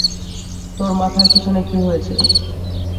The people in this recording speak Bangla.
তোর মাথার পিছনে কি হয়েছে?